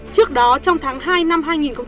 trước đó trong tháng hai năm hai nghìn một mươi bốn